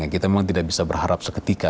kita memang tidak bisa berharap seketika